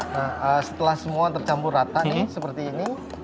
nah setelah semua tercampur rata nih seperti ini